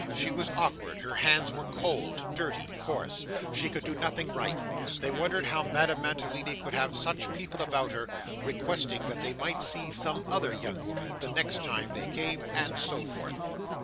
She was awkward her hands were cold dirty coarse she could do nothing right; they wondered how Madame Mantalini could have such people about her; requested they might see some other young woman the next time they came; and so forth.